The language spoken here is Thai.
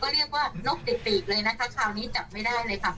เรียกว่านกติดปีกเลยนะคะคราวนี้จับไม่ได้เลยค่ะ